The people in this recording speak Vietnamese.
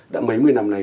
đã mấy mươi năm nay